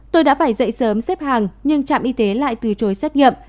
tôi đã phải dậy sớm xếp hàng nhưng trạm y tế lại từ chối xét nghiệm